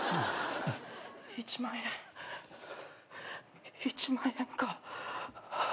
一万円一万円か。